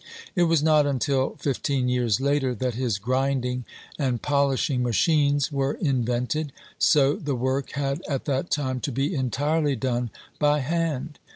It was not until fifteen years later that his grinding and polishing machines were invented, so the work had at that time to be entirely done by hand.